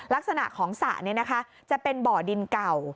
ลักษณะของสระจะเป็นบ่อดินเก่า